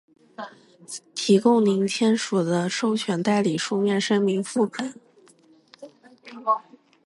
提供您签署的授权代理书面声明副本；